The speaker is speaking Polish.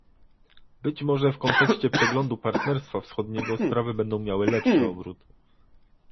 Być może w kontekście przeglądu partnerstwa wschodniego sprawy będą miały lepszy obrót